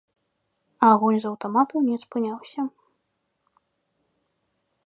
Агонь з аўтаматаў не спыняўся.